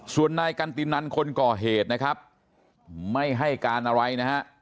ส่วนนายกันตินันคนก่อเหตุนะครับไม่ให้การอะไรนะฮะ